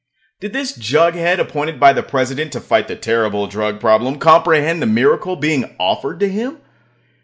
Did this jughead appointed by the President to fight the terrible drug problem comprehend the miracle being offered to him?